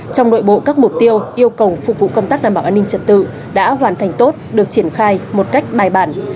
trong nội bộ các mục tiêu yêu cầu phục vụ công tác đảm bảo an ninh trật tự đã hoàn thành tốt được triển khai một cách bài bản